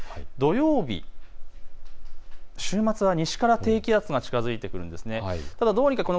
土曜日、週末は西から低気圧が近づいてくるんです。